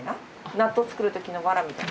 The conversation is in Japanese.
納豆作る時のわらみたいな？